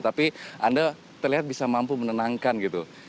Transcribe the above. tapi anda terlihat bisa mampu menenangkan gitu